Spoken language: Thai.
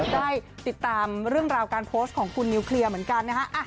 ได้ติดตามเรื่องราวการโพสต์ของคุณนิวเคลียร์เหมือนกันนะฮะ